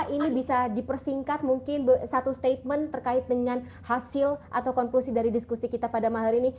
ini bisa dipersingkat mungkin satu statement terkait dengan hasil atau konklusi dari diskusi kita pada malam hari ini